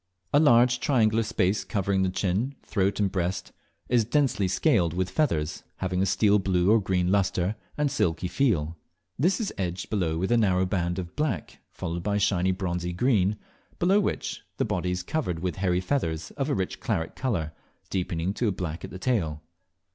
A large triangular space covering the chin, throat, and breast, is densely scaled with feathers, having a steel blue or green lustre, and a silky feel. This is edged below with a narrow band of black, followed by shiny bronzy green, below which the body is covered with hairy feathers of a rich claret colour, deepening to black at the tail.